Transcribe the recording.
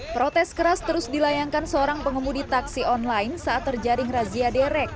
protes keras terus dilayangkan seorang pengemudi taksi online saat terjaring razia derek